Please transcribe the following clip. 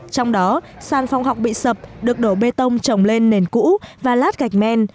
trong đó sàn phòng học bị sập được đổ bê tông trồng lên nền cũ và lát gạch men